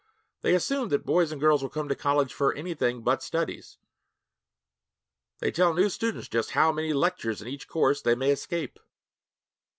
They assume that boys and girls will come to college for anything but studies. They tell new students just how many lectures in each course they may escape.